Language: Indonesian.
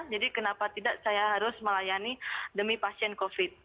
jadi kenapa tidak saya harus melayani demi pasien covid sembilan belas